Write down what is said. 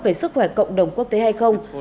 về sức khỏe cộng đồng quốc tế hay không